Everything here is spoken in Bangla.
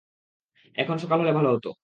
এখন সকাল হলে ভালো হত।